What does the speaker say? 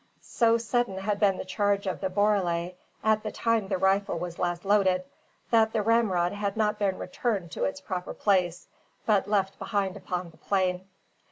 So sudden had been the charge of the borele, at the time the rifle was last loaded, that the ramrod had not been returned to its proper place, but left behind upon the plain.